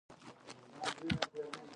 عوایدو وېش اصطلاح غولوونکې ده.